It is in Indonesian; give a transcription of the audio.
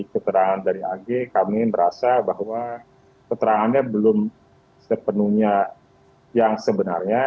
keterangan dari ag kami merasa bahwa keterangannya belum sepenuhnya yang sebenarnya